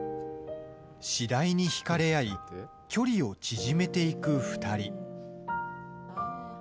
次第に引かれ合い距離を縮めていく２人。